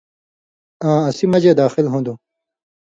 آں اسی مژے داخل ہُون٘دوۡ۔